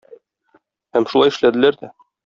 Һәм шулай эшләделәр дә.